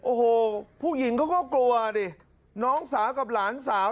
โอ้โหผู้หญิงเขาก็กลัวดิน้องสาวกับหลานสาว